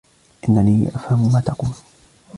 إنني أفهم ما تقول